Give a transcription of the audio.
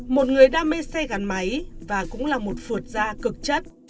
một người đam mê xe gắn máy và cũng là một phượt da cực chất